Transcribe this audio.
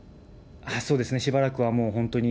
そうですね、しばらくはもう本当に。